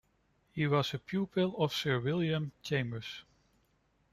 He was a pupil of Sir William Chambers.